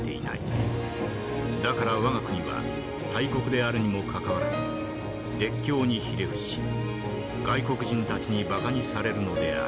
だから我が国は大国であるにもかかわらず列強にひれ伏し外国人たちにバカにされるのである。